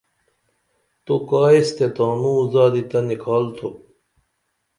تو کائیس تے تانوں زادی تہ نکھال تُھوپ